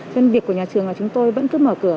vì vậy việc của nhà trường là chúng tôi vẫn cứ mở cửa